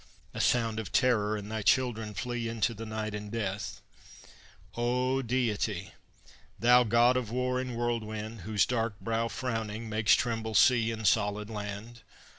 A sound of terror, and thy children flee Into the night and death. O Deity! Thou God of war and whirlwind, whose dark brow, Frowning, makes tremble sea and solid land!